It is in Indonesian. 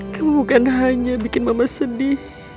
kamu bukan hanya bikin mama sedih